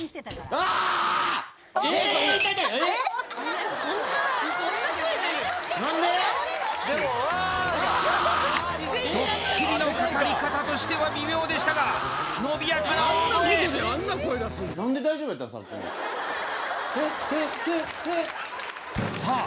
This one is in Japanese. ああっええっドッキリのかかり方としては微妙でしたが伸びやかな大声さあ